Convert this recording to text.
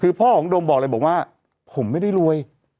คือพ่อของโดมบอกเลยบอกว่าผมไม่ได้รวย